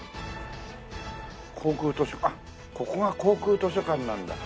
航空図書館あっここが航空図書館なんだ。